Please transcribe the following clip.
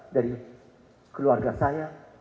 dari keluarga saya